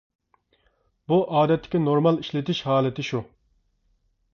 بۇ ئادەتتىكى نورمال ئىشلىتىش ھالىتى شۇ.